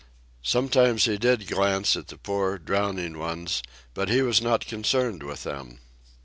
Sometimes he did glance at the poor, drowning ones, but he was not concerned with them.